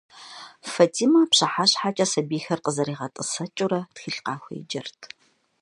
Фэтӏимэ, пщыхьэщхьэкӏэ сэбийхэр къызригъэтӏысэкӏыурэ тхылъ къахуеджэрт.